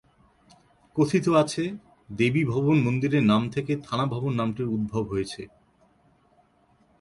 কথিত আছে, দেবী ভবন মন্দিরের নাম থেকে থানা ভবন নামটির উদ্ভব হয়েছে।